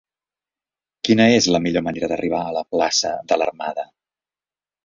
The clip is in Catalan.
Quina és la millor manera d'arribar a la plaça de l'Armada?